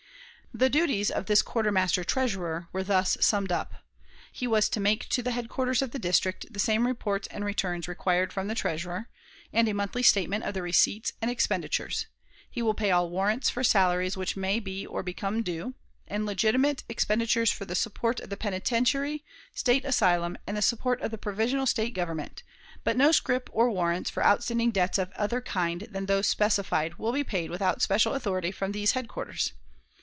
The duties of this quartermaster treasurer were thus summed up: He was to make to the headquarters of the district "the same reports and returns required from the Treasurer, and a monthly statement of the receipts and expenditures; he will pay all warrants for salaries which may be or become due, and legitimate expenditures for the support of the Penitentiary, State Asylum, and the support of the provisional State government; but no scrip or warrants for outstanding debts of other kind than those specified, will be paid without special authority from these Headquarters.